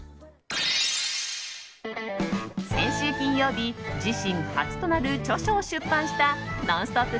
先週金曜日自身初となる著書を出版した「ノンストップ！」